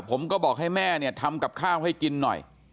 ผมก็บอกให้แม่เนี่ยทำกับข้าวให้กินหน่อย